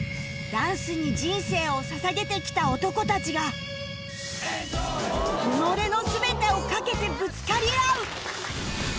ダンスに人生を捧げてきた男たちが己の全てをかけてぶつかり合う！